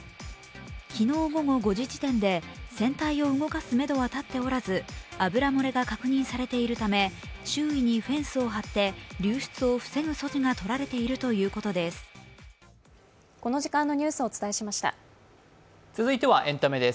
昨日午後５時時点で船体を動かすめどは立っておらず油漏れが確認されているため周囲にフェンスを張って流出を防ぐ措置が取られているということです。